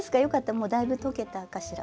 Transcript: もうだいぶとけたかしら？